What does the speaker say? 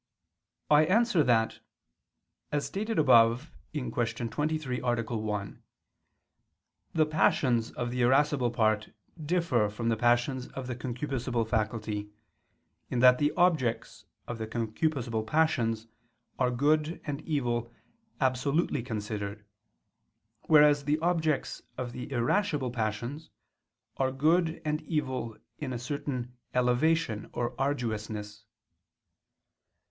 I answer that, As stated above (Q. 23, A. 1), the passions of the irascible part differ from the passions of the concupiscible faculty, in that the objects of the concupiscible passions are good and evil absolutely considered, whereas the objects of the irascible passions are good and evil in a certain elevation or arduousness.